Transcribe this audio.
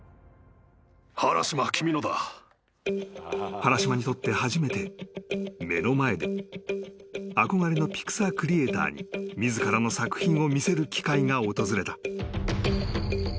［原島にとって初めて目の前で憧れのピクサークリエーターに自らの作品を見せる機会が訪れた］